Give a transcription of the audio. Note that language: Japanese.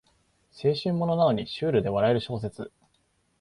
青春ものなのにシュールで笑える小説